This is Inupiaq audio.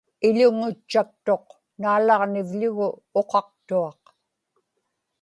iḷunŋutchaktuq naalaġnivḷugu uqaqtuaq